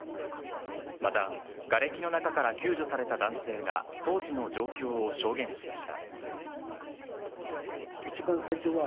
また、がれきの中から救助された男性が当時の状況を証言しました。